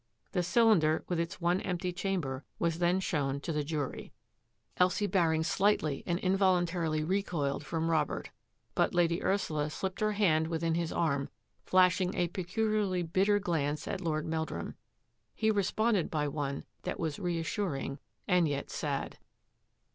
The cylinder with its one empty chamber was then shown to the jury. UNDER FIRE 191 Elsie Baring slightly and involuntarily recoiled from Robert, but Lady Ursula slipped her hand within his arm, flashing a peculiarly bitter glance at Lord Meldrum. He responded by one that was reassuring and yet sad.